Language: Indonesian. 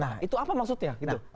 nah itu apa maksudnya